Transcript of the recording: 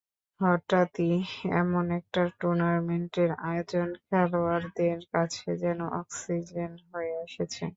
হঠাৎই এমন একটা টুর্নামেন্টের আয়োজন খেলোয়াড়দের কাছে যেন অক্সিজেন হয়ে এসেছে।